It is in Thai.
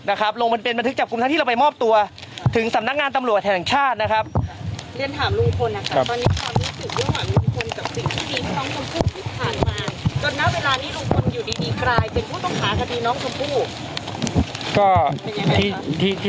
รวมบนเป็นบันทึกจับกลุ้มทั้งที่เราไปมอบตัวที่สำนักงานตำลัวแถ่งชาติ